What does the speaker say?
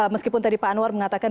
meskipun tadi pak anwar mengatakan